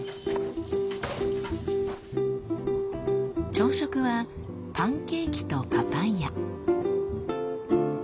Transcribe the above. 朝食はパンケーキとパパイヤ。